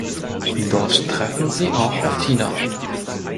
Dort treffen sie auch auf Tina.